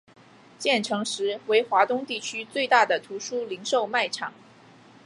建成时为华东地区最大的图书零售卖场。